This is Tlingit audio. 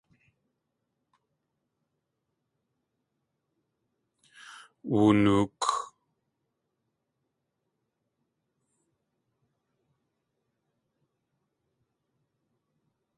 Woonook.